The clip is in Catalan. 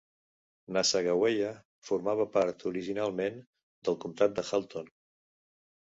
Nassagaweya formava part originalment del comtat de Halton.